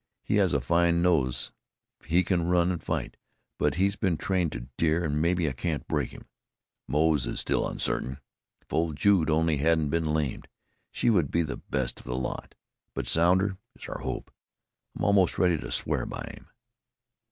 He has a fine nose; he can run and fight, but he's been trained to deer, and maybe I can't break him. Moze is still uncertain. If old Jude only hadn't been lamed! She would be the best of the lot. But Sounder is our hope. I'm almost ready to swear by him."